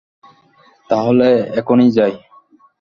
তাহলে এখনি যাই।